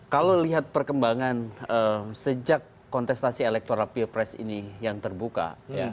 kalau lihat perkembangan sejak kontestasi elektoral pilpres ini yang terbuka